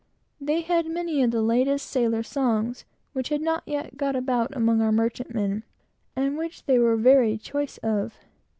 They had many of the latest sailor songs, which had not yet got about among our merchantmen, and which they were very choice of.